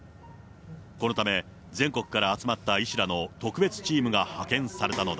このため、全国から集まった医師らの特別チームが派遣されたのだ。